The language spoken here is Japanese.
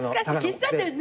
喫茶店ね。